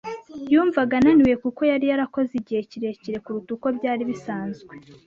Yumvaga ananiwe kuko yari yarakoze igihe kirekire kuruta uko byari bisanzwe.